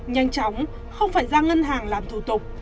nhanh chóng không phải ra ngân hàng làm thủ tục